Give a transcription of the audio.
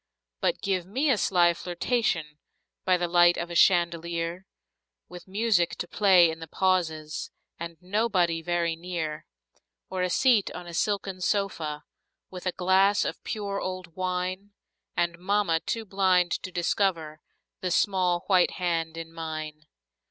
But give me a sly flirtation By the light of a chandelier With music to play in the pauses, And nobody very near; Or a seat on a silken sofa, With a glass of pure old wine, And mamma too blind to discover The small white hand in mine.